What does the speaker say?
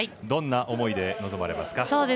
どんな思いで臨まれますか？